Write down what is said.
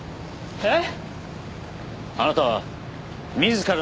えっ。